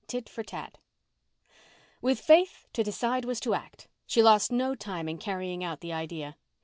TIT FOR TAT With Faith, to decide was to act. She lost no time in carrying out the idea.